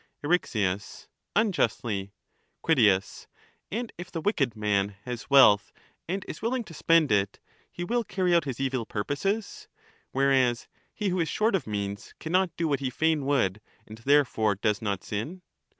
Eryx. Unjustly. Crit. And if the wicked man has wealth and is willing to 397 spend it, he will carry out his evil purposes? whereas he who is short of means cannot do what he fain would, and therefore does not sin?